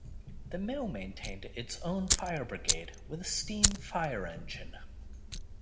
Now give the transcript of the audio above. The mill maintained its own fire brigade with steam fire engine.